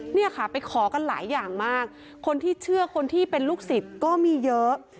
เนี่ยค่ะไปขอกันหลายอย่างมากคนที่เชื่อคนที่เป็นลูกศิษย์ก็มีเยอะ